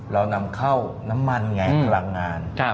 เรานำเข้าน้ำมันไงพลังงาน